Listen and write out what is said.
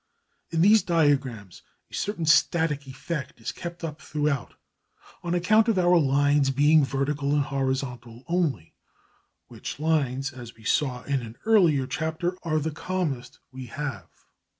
In these diagrams a certain static effect is kept up throughout, on account of our lines being vertical and horizontal only, which lines, as we saw in an earlier chapter, are the calmest we have.